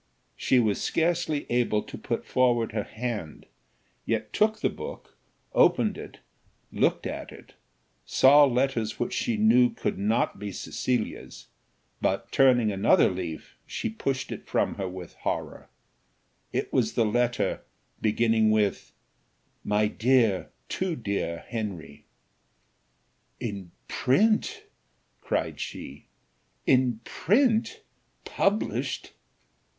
She was scarcely able to put forward her hand; yet took the book, opened it, looked at it, saw letters which she knew could not be Cecilia's, but turning another leaf, she pushed it from her with horror. It was the letter beginning with "My dear too dear Henry." "In print!" cried she; "In print! published!"